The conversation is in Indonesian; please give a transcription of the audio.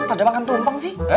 tidak makan tumpang sih